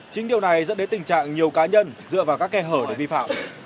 chính điều này dẫn đến tình trạng nhiều cá nhân dựa vào các khe hở để vi phạm